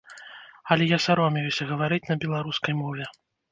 Але я саромеюся гаварыць на беларускай мове.